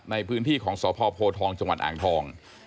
ในพื้นที่ของสพโพทองจังหวัดอ่างทอง